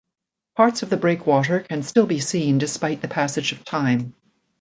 Parts of the breakwater can still be seen despite the passage of time.